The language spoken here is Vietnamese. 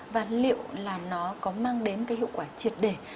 và liệu nó có mang đến hiệu quả triệt đề